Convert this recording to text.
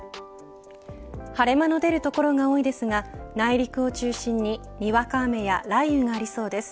晴れ間の出る所が多いですが内陸を中心ににわか雨や雷雨がありそうです。